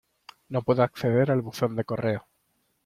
No puedo acceder al buzón de correo.